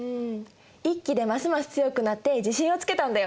一揆でますます強くなって自信をつけたんだよ。